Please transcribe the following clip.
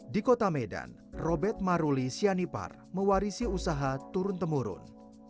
di kota medan robert maruli sianipar mewarisi usaha turun temurun